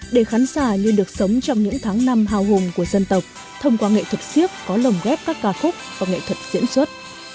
để khán giả như được sống trong những tháng năm hào hùng của dân tộc thông qua nghệ thuật siếc có lồng ghép các ca khúc và nghệ thuật diễn xuất